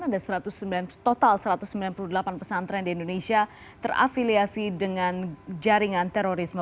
ada total satu ratus sembilan puluh delapan pesantren di indonesia terafiliasi dengan jaringan terorisme